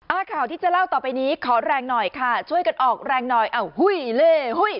ข่าวที่จะเล่าต่อไปนี้ขอแรงหน่อยค่ะช่วยกันออกแรงหน่อยอ้าวหุ้ยเล่หุ้ย